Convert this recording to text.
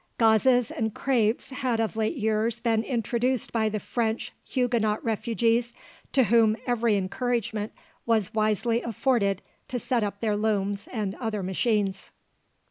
Gauzes and crapes had of late years been introduced by the French Huguenot refugees, to whom every encouragement was wisely afforded to set up their looms and other machines.